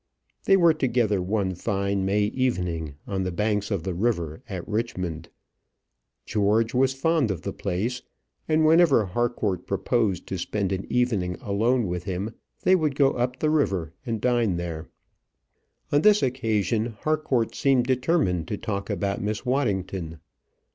They were together one fine May evening on the banks of the river at Richmond. George was fond of the place, and whenever Harcourt proposed to spend an evening alone with him, they would go up the river and dine there. On this occasion Harcourt seemed determined to talk about Miss Waddington.